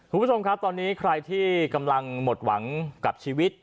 คุณผู้ชมครับตอนนี้ใครที่กำลังหมดหวังกับชีวิต